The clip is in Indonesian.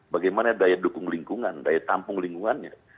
bagaimana daya dukung lingkungan daya tampung lingkungannya